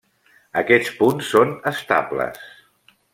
Aquests punts són estables.